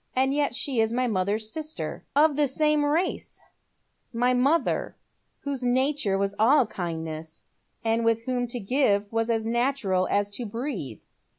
And yet she is my mother's sister, of the same race ; my mother, whose nature was all kindness, and with whom to give was as natural as to breathe."